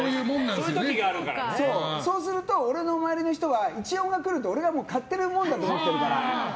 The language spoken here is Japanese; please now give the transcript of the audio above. そうすると、俺の周りの人は１−４が来ると、俺が買ってるものだと思ってるから。